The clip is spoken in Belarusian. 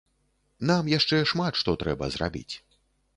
Нам яшчэ шмат што трэба зрабіць.